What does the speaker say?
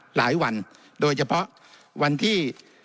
หลายวันโดยเฉพาะวันที่๑๒๑๓๑๔๑๕